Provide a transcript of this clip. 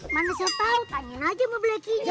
mana saya tau tanyain aja sama blacky nya